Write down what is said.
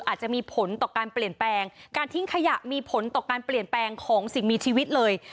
อาจจะมีผลต่อการเปลี่ยนแปลงการทิ้งขยะมีผลต่อการเปลี่ยนแปลงของสิ่งมีชีวิตเลย